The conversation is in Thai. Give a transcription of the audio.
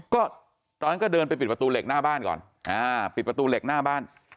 ก็ตอนนั้นก็เดินไปปิดประตูเหล็กหน้าบ้านก่อนอ่าปิดประตูเหล็กหน้าบ้าน